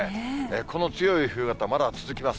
この強い冬型、まだ続きます。